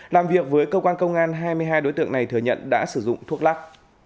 làm việc với cơ quan công an hai mươi hai đối tượng này thừa nhận đã sử dụng thuốc lắc